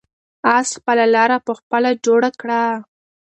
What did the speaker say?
آس خپله لاره په خپله جوړه کړه.